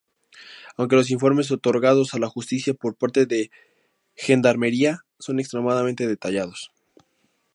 Aunque los informes otorgados a la justicia por parte de Gendarmería son extremadamente detallados.